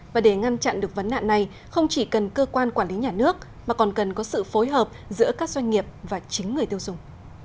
và để ngăn chặn được vấn nạn này không chỉ cần cơ quan quản lý nhà nước mà còn cần có sự phối hợp giữa các doanh nghiệp và chính người tiêu dùng